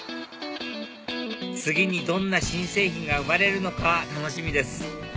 次にどんな新製品が生まれるのか楽しみです